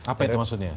apa itu maksudnya